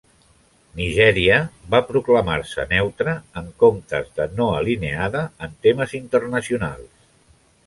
Nigèria va proclamar-se "neutra" en comptes de "no alineada" en temes internacionals.